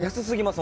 安すぎます。